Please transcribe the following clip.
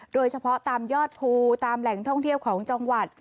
โดยเฉพาะตามยอดภูตามแหล่งท่องเที่ยวของจังหวัด